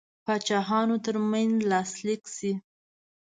پاچاهانو ترمنځ لاسلیک سي.